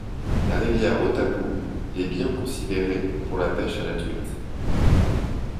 La rivière Hautapu est bien considérée pour la pèche à la truite.